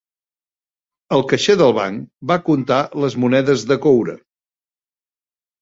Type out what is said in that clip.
El caixer del banc va contar les monedes de coure.